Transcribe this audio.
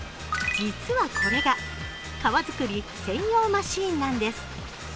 実は、これが皮作り専用マシーンなんです。